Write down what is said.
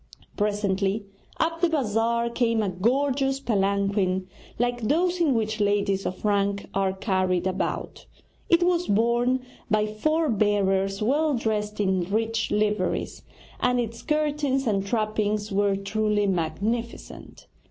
Presently up the bazaar came a gorgeous palanquin like those in which ladies of rank are carried about. It was borne by four bearers well dressed in rich liveries, and its curtains and trappings were truly magnificent.